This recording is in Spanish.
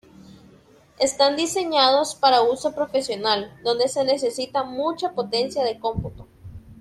Están diseñados para uso profesional, donde se necesita mucha potencia de cómputo.